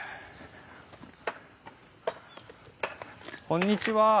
こんにちは。